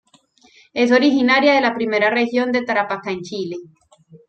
Es originaria de la I Región de Tarapacá en Chile.